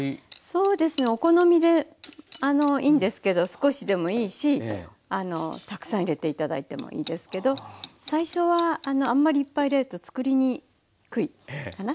そうですねお好みでいいんですけど少しでもいいしたくさん入れて頂いてもいいですけど最初はあんまりいっぱい入れると作りにくいかな。